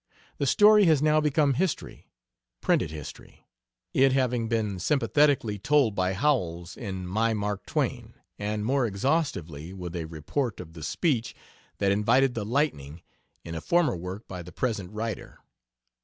The story has now become history printed history it having been sympathetically told by Howells in My Mark Twain, and more exhaustively, with a report of the speech that invited the lightning, in a former work by the present writer.